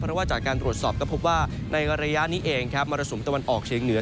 เพราะว่าจากการตรวจสอบก็พบว่าในระยะนี้เองครับมรสุมตะวันออกเฉียงเหนือ